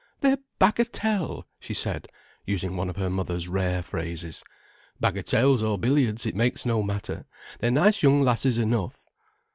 "They're bagatelle," she said, using one of her mother's rare phrases. "Bagatelles or billiards, it makes no matter, they're nice young lasses enough."